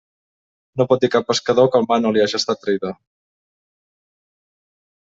No pot dir cap pescador que el mar no li haja estat traïdor.